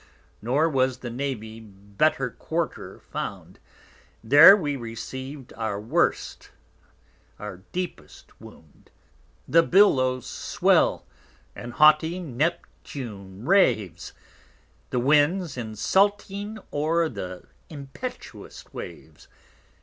Nor has the_ Navy better Quarter found; 50 There we've receiv'd our worst, our deepest Wound. The Billows swell, and haughty Neptune _raves, The Winds insulting o're th' impetuous Waves.